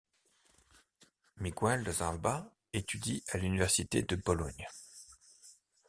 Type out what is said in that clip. Miguel de Zalba étudie à l'université de Bologne.